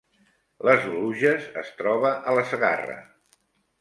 Les Oluges es troba a la Segarra